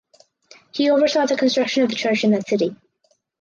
He oversaw the construction of the Church in that city.